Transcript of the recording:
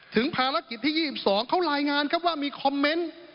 ถึงภารกิจที่ยี่สิบสองเขาลายงานครับว่ามีคอมเมนต์